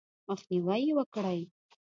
مخنیوی یې وکړئ :